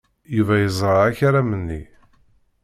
Yuba yeẓra akaram-nni.